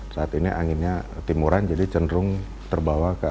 saat ini anginnya timuran jadi cenderung terbawa ke